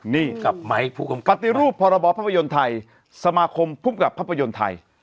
นี่ปฏิรูปภาระบอบภาพยนตร์ไทยสมาคมภูมิกับภาพยนตร์ไทย